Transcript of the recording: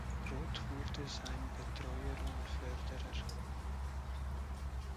Roth wurde sein Betreuer und Förderer.